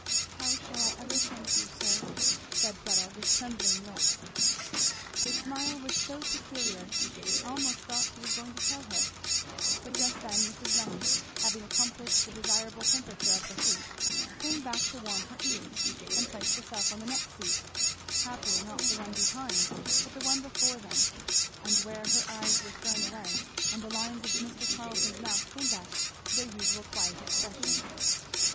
"How shall I ever thank you, sir!" said Fleda with trembling lips. His smile was so peculiar she almost thought he was going to tell her. But just then Mrs. Renney having accomplished the desirable temperature of her feet, came back to warm her ears, and placed herself on the next seat; happily not the one behind but the one before them, where her eyes were thrown away; and the lines of Mr. Carleton's mouth came back to their usual quiet expression.